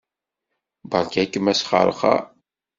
Beṛka-kem asxeṛxeṛ.